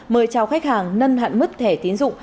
mời chào khách hàng nâng hạn mức thẻ tiến dụng